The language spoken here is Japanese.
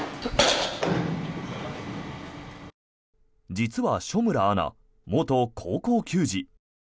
実は、所村アナ元高校球児。